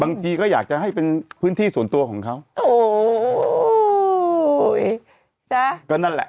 บางทีก็อยากจะให้เป็นพื้นที่ส่วนตัวของเขาโอ้โหจ้ะก็นั่นแหละ